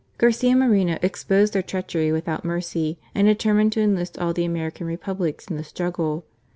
Garcia Moreno exposed their treachery without mercy, and determined to enlist all the American Republics in the struggle.